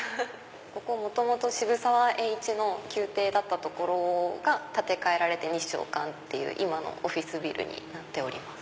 ここ元々渋沢栄一の邸だった所が建て替えられて日証館っていう今のオフィスビルになってます。